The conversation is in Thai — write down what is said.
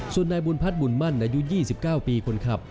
ส่วนนายบุญพัฒน์บุญมั่นอายุ๒๙ปีคนขับ